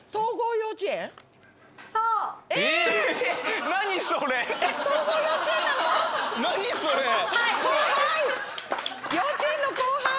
幼稚園の後輩！